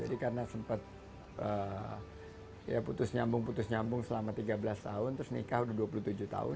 jadi karena sempat ya putus nyambung putus nyambung selama tiga belas tahun terus nikah udah dua puluh tujuh tahun